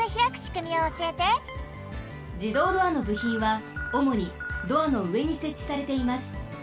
じどうドアのぶひんはおもにドアのうえにせっちされています。